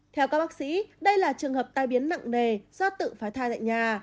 theo các bác sĩ đây là trường hợp tai biến nặng nề do tự phá thai tại nhà